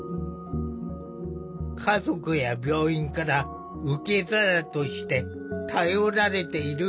家族や病院から受け皿として頼られている滝山病院。